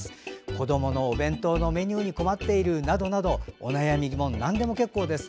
子どものお弁当のメニューに困っているなどなどお悩み、疑問なんでも結構です。